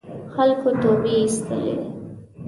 خلکو توبې اېستلې.